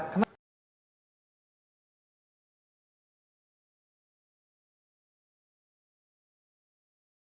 jadi kalau tidak itu akan menjadi anggota masyarakat sipil biasa